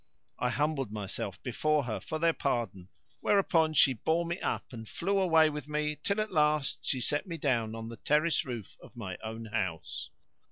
I humbled myself before her for their pardon, whereupon she bore me up and flew away with me till at last she set me down on the terrace roof of my own house.